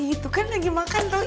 itu kan lagi makan tau